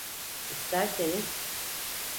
İsterseniz…